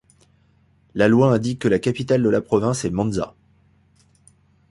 La loi indique que la capitale de la province est Monza.